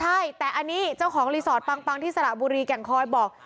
ใช่แต่อันนี้เจ้าของรีสอร์ทปังที่สระบุรีแก่งคอยบอก